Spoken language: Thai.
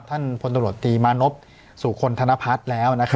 ท่านพลตำรวจตีมานพสู่คนธนพัฒน์แล้ว